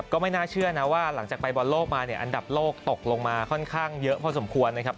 ก็ไม่น่าเชื่อนะว่าหลังจากไปบอลโลกมาเนี่ยอันดับโลกตกลงมาค่อนข้างเยอะพอสมควรนะครับ